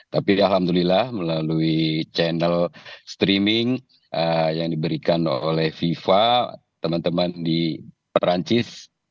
tapi alhamdulillah melalui channel streaming yang diberikan oleh fifa teman teman di perancis